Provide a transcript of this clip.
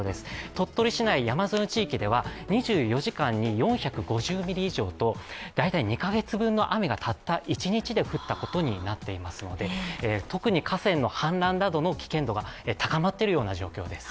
鳥取市内、山沿いの地域では２４時間に４５０ミリ以上と大体２か月分の雨がたった１日で降ったことになっていますので特に河川の氾濫などの危険度が高まっているような状況です。